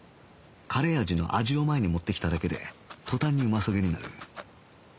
カレー味の「味」を前に持ってきただけで途端にうまそげになる